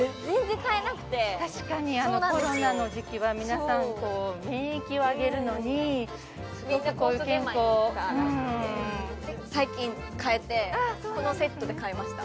確かにコロナの時期は皆さん免疫を上げるのに健康をうん最近買えてこのセットで買いました